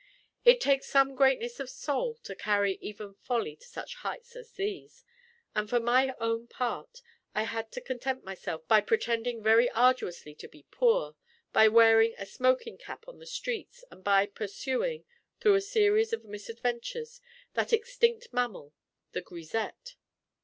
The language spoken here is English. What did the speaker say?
It takes some greatness of soul to carry even folly to such heights as these; and for my own part, I had to content myself by pretending very arduously to be poor, by wearing a smoking cap on the streets, and by pursuing, through a series of misadventures, that extinct mammal, the grisette.